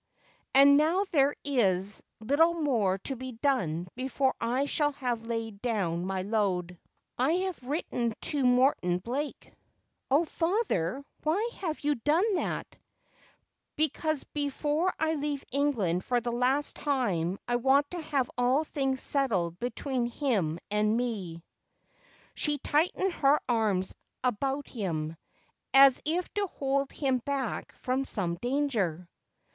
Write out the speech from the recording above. ' And now there is little more to be done before I shall have lain down my load. I have written to Morton Blake.' ' Oh, father, why have you done that ?' 'Because before I leave England for the last time I want to have all things settled between him and me.' 336 Just as I A m. She tightened her arms about him, as if to hold him hack from some danger.